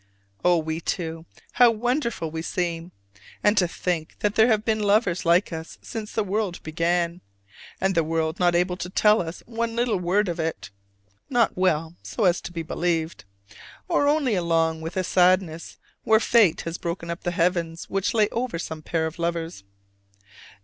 Oh, we two! how wonderful we seem! And to think that there have been lovers like us since the world began: and the world not able to tell us one little word of it: not well, so as to be believed or only along with sadness where Fate has broken up the heavens which lay over some pair of lovers.